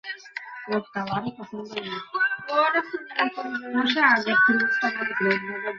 আপনি আমার পিছু করেছেন, তাই না?